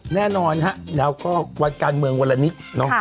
เราก็วันการเมืองว่าละนี้เนอะ